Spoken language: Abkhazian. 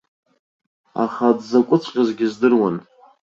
Аха дзакәыҵәҟьазгьы здыруан.